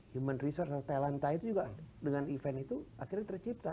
human research talenta itu juga dengan event itu akhirnya tercipta